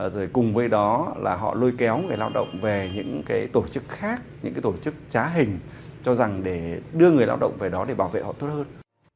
rồi cùng với đó là họ lôi kéo người lao động về những cái tổ chức khác những cái tổ chức trá hình cho rằng để đưa người lao động về đó để bảo vệ họ tốt hơn